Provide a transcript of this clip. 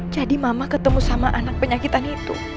jadi mama ketemu sama anak penyakitan itu